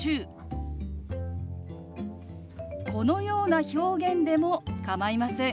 このような表現でも構いません。